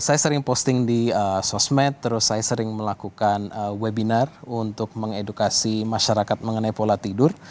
saya sering posting di sosmed terus saya sering melakukan webinar untuk mengedukasi masyarakat mengenai pola tidur